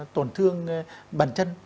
tổn thương bần chân